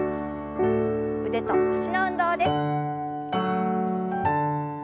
腕と脚の運動です。